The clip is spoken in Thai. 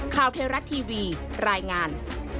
ข่าวเทวรัฐทีวีรายงาน